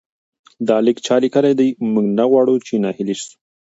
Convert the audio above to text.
دا لیک چا لیکلی دی؟ موږ نه غواړو چې ناهیلي سو.